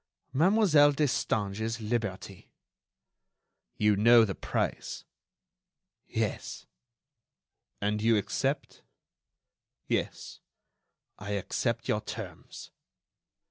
"Mademoiselle Destange's liberty." "You know the price." "Yes." "And you accept?" "Yes; I accept your terms."